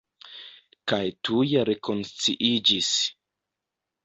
Kaj tuj rekonsciiĝis.